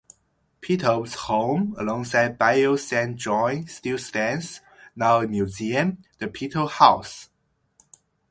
Pitot's home alongside Bayou Saint John still stands, now a museum, the Pitot House.